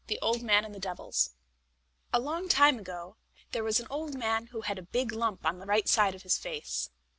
THE OLD MAN AND THE DEVILS A long time ago there was an old man who had a big lump on the right side of his face.